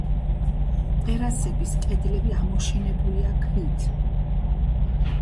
ტერასების კედლები ამოშენებულია ქვით.